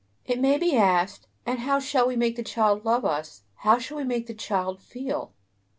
It may be asked: And how shall we make the child love us; how shall we make the child "feel"?